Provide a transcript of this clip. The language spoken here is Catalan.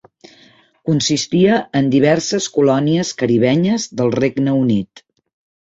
Consistia en diverses colònies caribenyes del Regne Unit.